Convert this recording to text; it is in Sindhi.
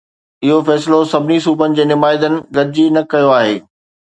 اهو فيصلو سڀني صوبن جي نمائندن گڏجي نه ڪيو آهي.